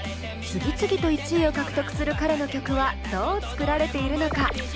次々と１位を獲得する彼の曲はどう作られているのか。